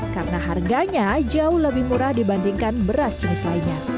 karena harganya jauh lebih murah dibandingkan beras jenis lainnya